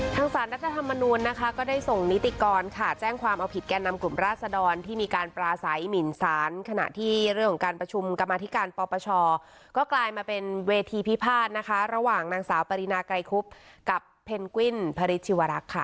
สารรัฐธรรมนูลนะคะก็ได้ส่งนิติกรค่ะแจ้งความเอาผิดแก่นำกลุ่มราศดรที่มีการปราศัยหมินสารขณะที่เรื่องของการประชุมกรรมาธิการปปชก็กลายมาเป็นเวทีพิพาทนะคะระหว่างนางสาวปรินาไกรคุบกับเพนกวินพระฤทธิวรักษ์ค่ะ